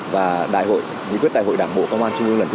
và nghị quyết đại hội đảng bộ công an trung ương lần thứ bảy